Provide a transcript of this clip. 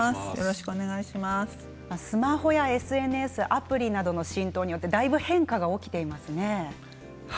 スマホやＳＮＳ、アプリなどの浸透によって変化が起きていますね。